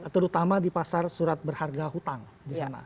terutama di pasar surat berharga hutang di sana